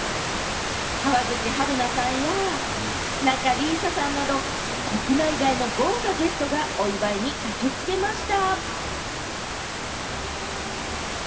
川口春奈さんや、仲里依紗さんなど、国内外の豪華ゲストがお祝いに駆けつけました。